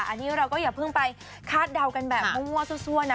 อันนี้เราก็อย่าเพิ่งไปคาดเดากันแบบมั่วซั่วนะ